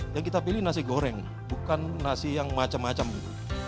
yang kita pilih nasi goreng bukan nasi yang macam macam gitu